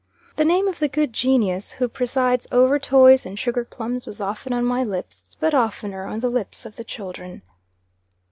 The name of the good genius who presides over toys and sugar plums was often on my lips, but oftener on the lips of the children.